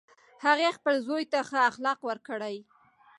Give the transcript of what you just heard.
هغې خپل زوی ته ښه اخلاق ورکړی